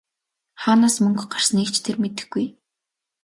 Хаанаас мөнгө гарсныг ч тэр мэдэхгүй!